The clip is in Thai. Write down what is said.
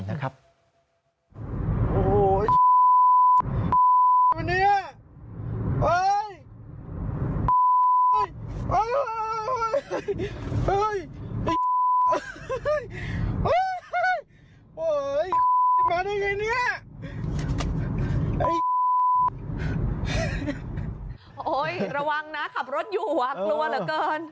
โอ้โหไอ้มาได้ไงเนี้ยไอ้โอ้ยระวังนะขับรถอยู่ว่ากลัวเหลือเกิน